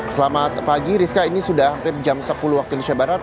selamat pagi rizka ini sudah hampir jam sepuluh waktu indonesia barat